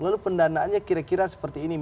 lalu pendanaannya kira kira seperti ini